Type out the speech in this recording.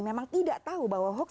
memang tidak tahu bahwa hoax